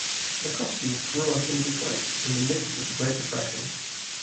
McCosky grew up in Detroit in the midst of the Great Depression.